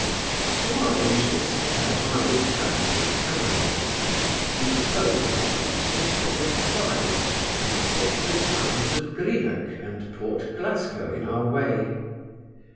To morrow we shall set out on our return for Cameron. We propose to cross the Frith of Clyde, and take the towns of Greenock and Port Glasgow in our way.